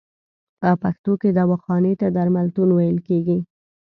په پښتو کې دواخانې ته درملتون ویل کیږی.